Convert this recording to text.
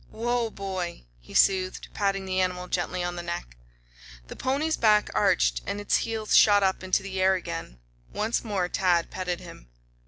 "Whoa, boy," he soothed, patting the animal gently on the neck. The pony's back arched and its heels shot up into the air again. Once more Tad petted him.